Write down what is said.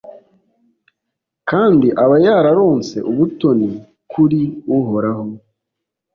kandi aba yararonse ubutoni kuri Uhoraho